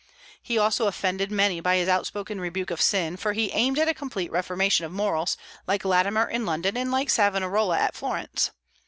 He also offended many by his outspoken rebuke of sin, for he aimed at a complete reformation of morals, like Latimer in London and like Savonarola at Florence.